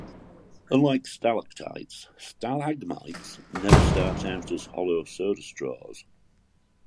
Unlike stalactites, stalagmites never start out as hollow soda straws.